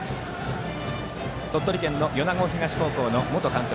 鳥取県の米子東高校の元監督